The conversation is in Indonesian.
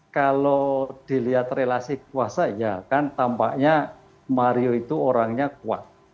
kalau dilihat relasi kuasa ya kan tampaknya mario itu orangnya kuat